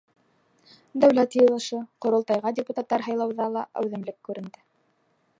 Дәүләт Йыйылышы — Ҡоролтайға депутаттар һайлауҙа ла әүҙемлек күренде.